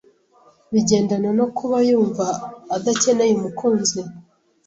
bigendana no kuba yumva adakeneye umukunzi